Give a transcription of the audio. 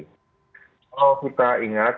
kalau kita ingat nah ada yang customer supervisor cleaaw